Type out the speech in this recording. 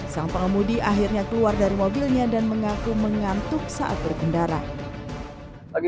sang pengemudi akhirnya keluar dari mobilnya dan mengaku mengantuk saat berkendara bagi